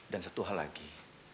dan satu hal lagi